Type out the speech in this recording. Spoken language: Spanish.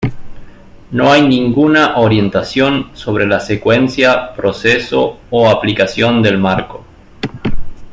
No hay ninguna orientación sobre la secuencia, proceso o aplicación del marco.